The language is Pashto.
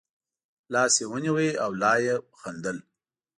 لاس یې ونیو او لا یې خندل.